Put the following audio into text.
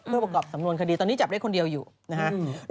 เพื่อประกอบสำนวนคดีตอนนี้จับได้คนเดียวอยู่นะครับ